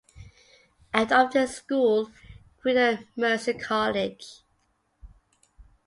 Out of this school grew the Mercy College.